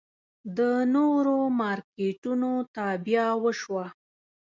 د نورو مارکېټونو تابیا وشوه.